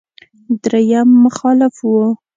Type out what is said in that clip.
درېيم مخالف و.